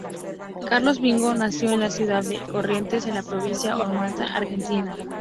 Carlos Vignolo nació el en la ciudad de Corrientes, en la provincia homónima, Argentina.